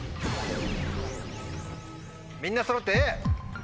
みんなそろってＡ。